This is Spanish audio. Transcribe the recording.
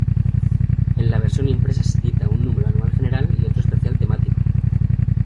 En la versión impresa se edita un número anual general y otro especial temático.